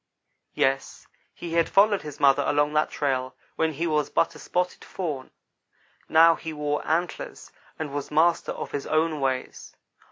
Yes, he had followed his mother along that trail when he was but a spotted fawn now he wore antlers, and was master of his own ways.